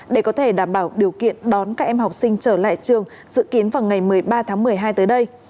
để có thể đảm bảo điều kiện đón các em học sinh trở lại trường dự kiến vào ngày một mươi ba tháng một mươi hai tới đây